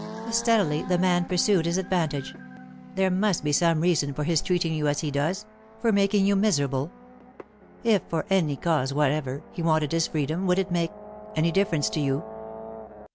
Steadily the man pursued his advantage. "There must be some reason for his treating you as he does for making you miserable. If, for any cause whatever, he wanted his freedom, would it make any difference to you?"